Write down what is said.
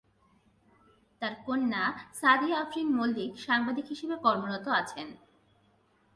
তার কন্যা সাদিয়া আফরিন মল্লিক সাংবাদিক হিসেবে কর্মরত আছেন।